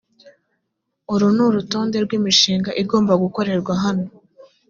uru ni urutonde rw imishinga igomba gukorerwa hano